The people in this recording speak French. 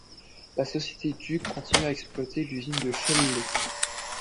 La société Duc continue à exploiter l'usine de Chailley.